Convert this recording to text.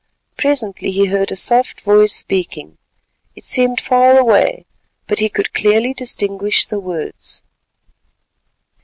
Presently he heard a soft voice speaking; it seemed far away, but he could clearly distinguish the words.